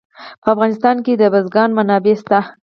په افغانستان کې د بزګان منابع شته.